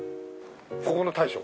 ここの大将？